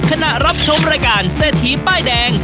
รับชมรายการเศรษฐีป้ายแดง